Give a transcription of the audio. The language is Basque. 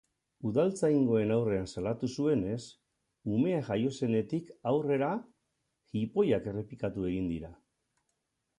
Udaltzaingoen aurrean salatu zuenez, umea jaio zenetik aurrera jipoiak errepikatu egin dira.